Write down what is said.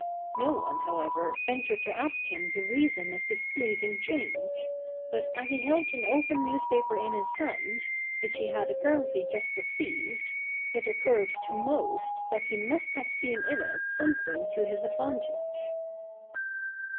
Xo one, however, ventured to ask him the reason of this pleasing change : but as he held an open newspaper in his hand, which he had apparently just received, it occurred to most that he must have seen in it • something to his advantage."